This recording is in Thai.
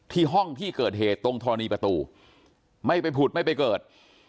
ห้องที่เกิดเหตุตรงธรณีประตูไม่ไปผุดไม่ไปเกิด